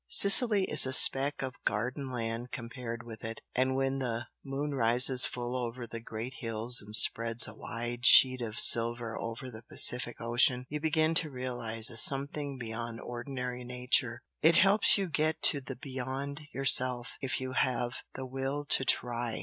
Sicily is a speck of garden land compared with it and when the moon rises full over the great hills and spreads a wide sheet of silver over the Pacific Ocean you begin to realise a something beyond ordinary nature it helps you to get to the 'beyond' yourself if you have the will to try!"